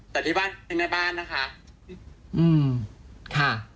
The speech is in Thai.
แต่ที่บ้านทิ้งในบ้านนะคะ